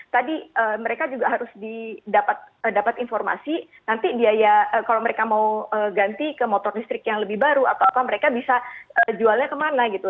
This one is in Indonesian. tadi mereka juga harus didapat informasi nanti biaya kalau mereka mau ganti ke motor listrik yang lebih baru atau apa mereka bisa jualnya kemana gitu